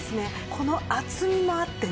この厚みもあってね